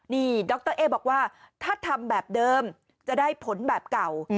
นี่ดรเอ๊บอกว่าถ้าทำแบบเดิมจะได้ผลแบบเก่า